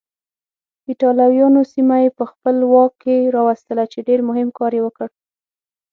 ایټالویانو سیمه یې په خپل واک کې راوستله چې ډېر مهم کار یې وکړ.